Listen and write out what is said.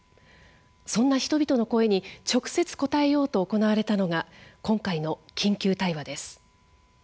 そんな人々の声に直接答えようと行われたのが今回の緊急対話です。